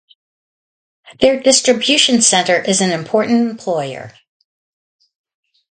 Their distribution centre is an important employer.